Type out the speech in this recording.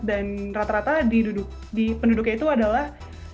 dan rata rata di penduduknya itu adalah